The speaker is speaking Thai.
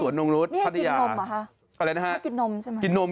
นี่ให้กินนมเหรอคะ